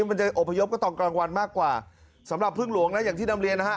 มันจะอบพยพก็ตอนกลางวันมากกว่าสำหรับพึ่งหลวงนะอย่างที่นำเรียนนะฮะ